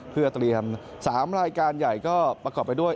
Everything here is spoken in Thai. เพื่อเตรียม๓รายการใหญ่ก็ประกอบไปด้วย